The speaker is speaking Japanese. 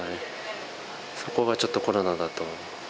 そこがちょっとコロナだと。